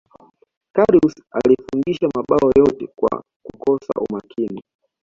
karius alifungisha mabao yote kwa kukosa umakini